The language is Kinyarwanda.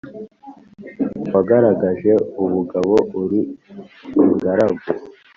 wagaragaje ubugabo uri ingaragu